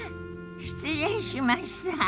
失礼しました。